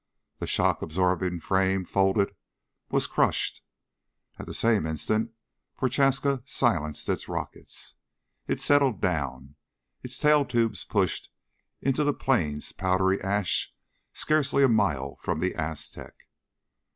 The shock absorbing frame folded, was crushed. At the same instant Prochaska silenced its rockets. It settled down, its tail tubes pushed into the plain's powdery ash scarcely a mile from the Aztec.